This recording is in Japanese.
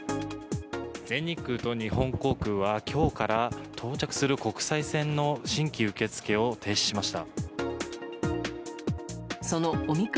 全日空と日本航空は、今日から到着する国際線の新規受付を停止しました。